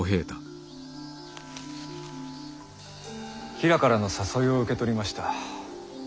吉良からの誘いを受け取りました。